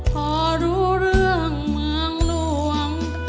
พอรู้เรื่องเมืองหลวง